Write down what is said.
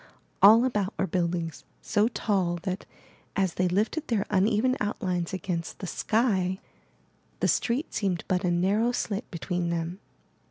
All about were buildings so tall that, as they lifted their uneven outlines against the sky, the 403 MY BOOK HOUSE street seemed but a narrow slit between them.